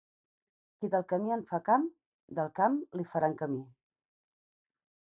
Qui del camí en fa camp, del camp li faran camí.